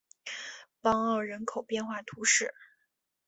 邦奥人口变化图示